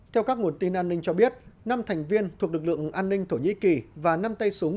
theo các nguồn tin an ninh cho biết năm thành viên thuộc lực lượng an ninh thổ nhĩ kỳ và năm tay súng